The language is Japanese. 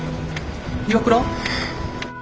岩倉？